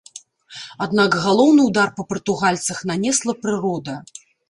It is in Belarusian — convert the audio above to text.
Аднак галоўны ўдар па партугальцах нанесла прырода.